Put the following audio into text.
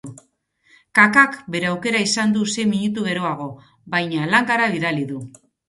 Kakak bere aukera izan du sei minutu geroago, baina langara bidali du.